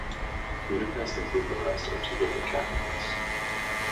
Budapest and Bucharest are two different capitals.